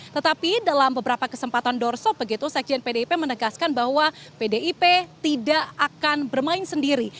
tetapi dalam beberapa kesempatan doorshop begitu sekjen pdip menegaskan bahwa pdip tidak akan bermain sendiri